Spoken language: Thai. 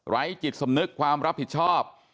จิตสำนึกความรับผิดชอบ